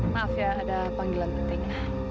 maaf ya ada panggilan penting